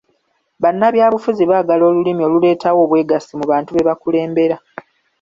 Bannabyabufuzi baagala Olulimi oluleetawo obwegassi mu bantu be bakulembera.